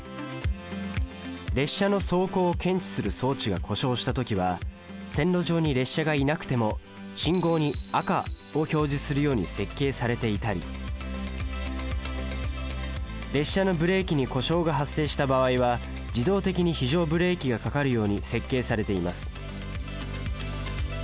列車の走行を検知する装置が故障した時は線路上に列車がいなくても信号に「赤」を表示するように設計されていたり列車のブレーキに故障が発生した場合は自動的に非常ブレーキがかかるように設計されています